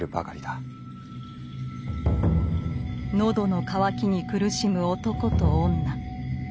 喉の渇きに苦しむ男と女。